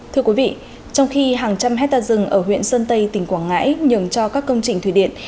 thưa quý vị trong khi hàng trăm hectare rừng ở huyện sơn tây tỉnh quảng ngãi nhường cho các công trình thủy điện